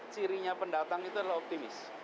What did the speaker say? cirinya pendatang itu adalah optimis